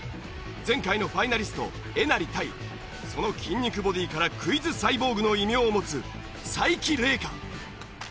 前回のファイナリストえなり対その筋肉ボディーからクイズサイボーグの異名を持つ才木玲佳。